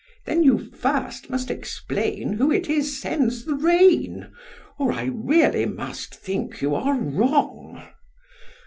Then you first must explain, who it is sends the rain; or I really must think you are wrong.